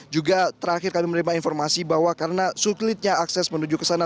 juga terakhir kami menerima informasi bahwa karena sulitnya akses menuju ke sana